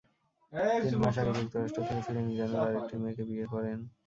তিন মাস আগে যুক্তরাষ্ট্র থেকে ফিরে মিজানুর আরেকটি মেয়েকে বিয়ে করেন।